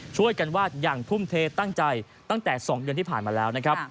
วาดอย่างทุ่มเทตั้งใจตั้งแต่๒เดือนที่ผ่านมาแล้วนะครับ